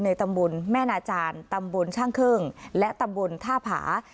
ตำบลแม่นาจารย์ตำบลช่างครึ่งและตำบลท่าผา